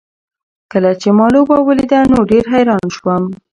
کله چې ما لوبه ولیده نو ډېر حیران شوم.